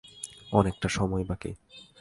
অনেকটা সময় বাকি।